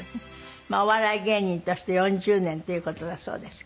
お笑い芸人として４０年っていう事だそうですけど。